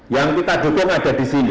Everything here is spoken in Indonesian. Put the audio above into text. yang kita dukung ada di sini